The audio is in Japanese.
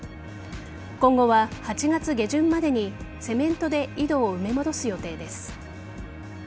今後は８月下旬までにセメントで井戸を埋め戻す予定です。